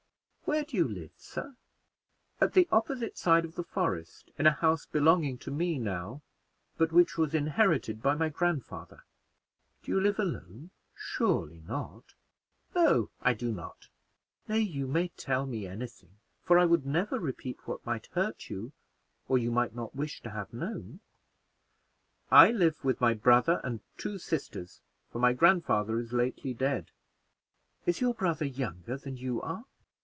Where do you live, sir?" "At the opposite side of the forest, in a house belonging to me now, but which was inherited by my grandfather." "Do you live alone surely not?" "No, I do not." "Nay, you may tell me any thing, for I would never repeat what might hurt you, or you might not wish to have known." "I live with my brother and two sisters, for my grandfather is lately dead." "Is your brother younger than you are?"